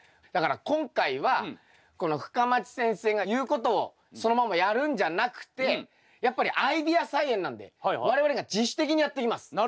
だから今回はこの深町先生が言うことをそのままやるんじゃなくてやっぱりアイデア菜園なんで我々が自主的にやっていきます。